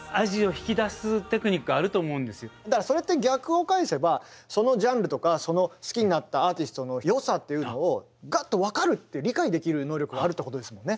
だからそれって逆を返せばそのジャンルとかその好きになったアーティストのよさっていうのをガッと分かるっていう理解できる能力があるってことですもんね。